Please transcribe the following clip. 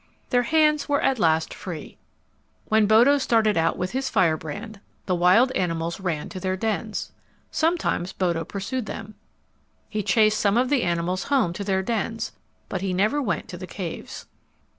Their hands were at last free. When Bodo started out with his firebrand the wild animals ran to their dens. Sometimes Bodo pursued them. He chased some of the animals home to their dens, but he never went to the caves.